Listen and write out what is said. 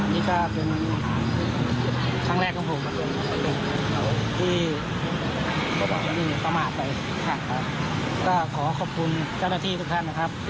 ที่ทำงานได้ดีมากและร่วมเร็วมากครับ